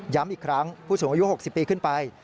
อีกครั้งผู้สูงอายุ๖๐ปีขึ้นไป